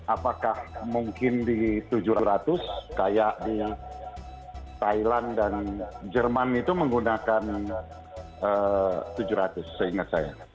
apakah mungkin di tujuh ratus kayak di thailand dan jerman itu menggunakan tujuh ratus seingat saya